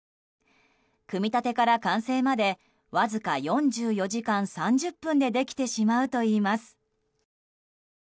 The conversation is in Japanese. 組み立てから完成までわずか４４時間３０分でできてしまうといいます。